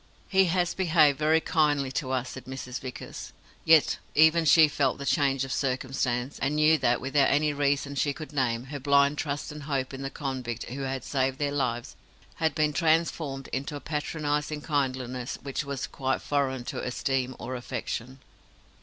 He has behaved very kindly to us," said Mrs. Vickers. Yet even she felt the change of circumstance, and knew that, without any reason she could name, her blind trust and hope in the convict who had saved their lives had been transformed into a patronizing kindliness which was quite foreign to esteem or affection.